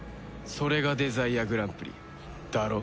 それがデザイアグランプリだろ？